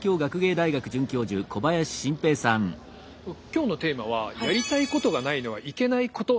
今日のテーマは「やりたいことがないのはいけないこと？」